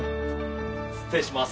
失礼します。